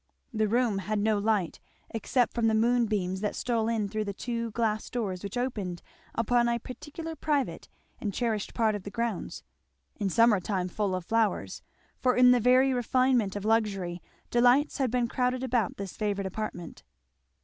The room had no light, except from the moonbeams that stole in through two glass doors which opened upon a particularly private and cherished part of the grounds, in summer time full of flowers; for in the very refinement of luxury delights had been crowded about this favourite apartment.